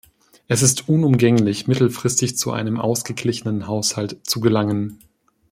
Es ist unumgänglich, mittelfristig zu einem ausgeglichenen Haushalt zu gelangen.